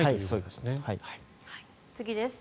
次です。